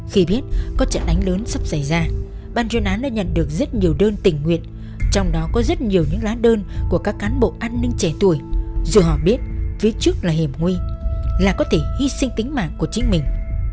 khi biết có trận đánh lớn sắp xảy ra ban chuyên án đã nhận được rất nhiều đơn tình nguyện trong đó có rất nhiều những lá đơn của các cán bộ an ninh trẻ tuổi rồi họ biết phía trước là hiểm nguy là có thể hy sinh tính mạng của chính mình